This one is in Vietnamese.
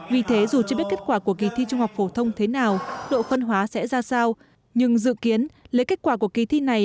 vì thế dù chưa biết kết quả của kỳ thi trung học phổ thông thế nào độ phân hóa sẽ ra sao nhưng dự kiến lấy kết quả của kỳ thi này